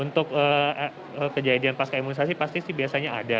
untuk kejadian pasca imunisasi pasti sih biasanya ada